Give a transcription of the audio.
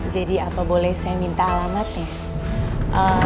jadi apa boleh saya minta alamatnya